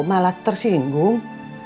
kok malas tersinggung